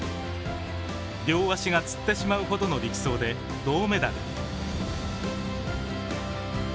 両足がつってしまうほどの力走で銅メダル。